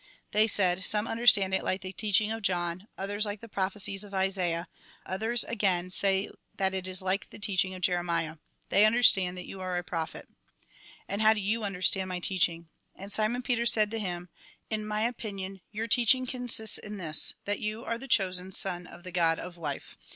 They said :" Some understand it like the teaching of John, others like the prophecies of Isaiah ; others, again, say that it is like the teaching of Jeremiah. They understand that you are a prophet." " And how do you understand my teaching ?" And Simon Peter said to him :" In my opinion, your teaching consists in this, that you are the chosen Son of the God of Life.